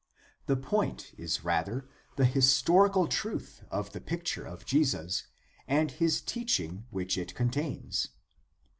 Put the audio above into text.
The point is rather the historical truth of the picture of Jesus and his teaching which it contains.